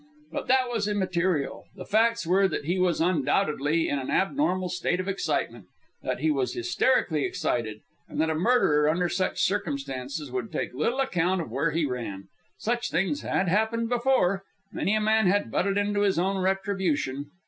But that was immaterial; the facts were that he was undoubtedly in an abnormal state of excitement, that he was hysterically excited, and that a murderer under such circumstances would take little account of where he ran. Such things had happened before. Many a man had butted into his own retribution.